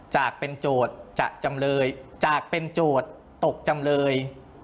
จากเป็นโจทย์จากจำเลยจากเป็นโจทย์ตกจำเลย